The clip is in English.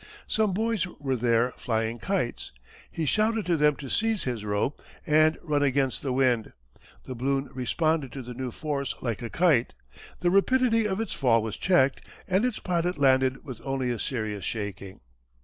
Some boys were there flying kites. He shouted to them to seize his rope and run against the wind. The balloon responded to the new force like a kite. The rapidity of its fall was checked, and its pilot landed with only a serious shaking.